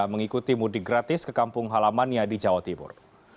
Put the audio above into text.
mengikuti mudik gratis ke kampung halamannya di jawa timur